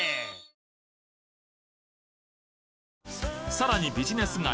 さらにビジネス街